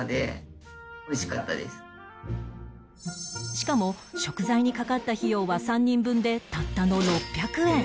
しかも食材にかかった費用は３人分でたったの６００円